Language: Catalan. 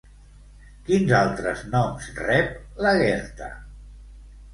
Quins altres noms rep Lagertha?